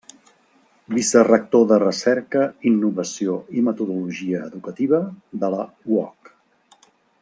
Vicerector de Recerca, Innovació i Metodologia Educativa de la UOC.